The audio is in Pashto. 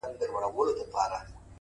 په څو ځلي مي ستا د مخ غبار مات کړی دی،